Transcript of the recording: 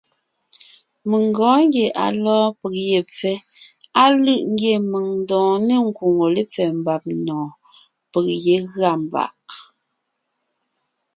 Mèŋ gɔɔn ngie à lɔ́ɔn peg ye pfɛ́, á lʉ̂ʼ ngie mèŋ ńdɔɔn ne ńkwóŋo lépfɛ́ mbàb nɔ̀ɔn, peg yé gʉa mbàʼ.